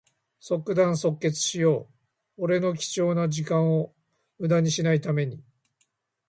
即断即決しよう。俺の貴重な時間をむだにしない為に。